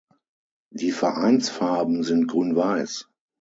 Die Vereinsfarben sind Grün-weiß.